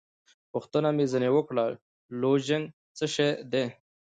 پوښتنه مې ځینې وکړه: لوژینګ څه شی دی؟